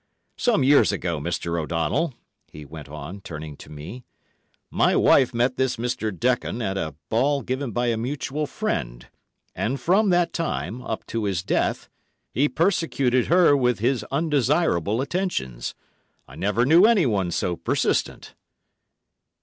Some years ago, Mr. O'Donnell," he went on, turning to me, "my wife met this Mr. Dekon at a ball given by a mutual friend, and from that time, up to his death, he persecuted her with his undesirable attentions. I never knew anyone so persistent."